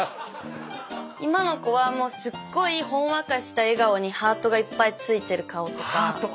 今の子はもうすっごいほんわかした笑顔にハートがいっぱいついてる顔とか。